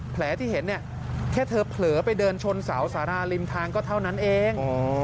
แผลที่เห็นเนี่ยแค่เธอเผลอไปเดินชนเสาสาราริมทางก็เท่านั้นเอง